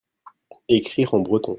Écrire en breton.